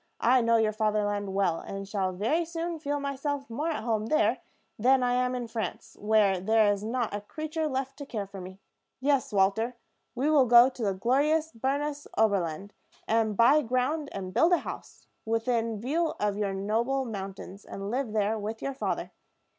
"I know your fatherland well, and shall very soon feel myself more at home there than I am in France, where there is not a creature left to care for me. Yes, Walter, we will go to the glorious Bernese Oberland, and buy ground, and build a house, within view of your noble mountains, and live there with your father.